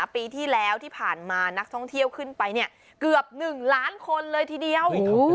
ปีที่แล้วที่ผ่านมานักท่องเที่ยวขึ้นไปเกือบ๑ล้านคนเลยทีเดียว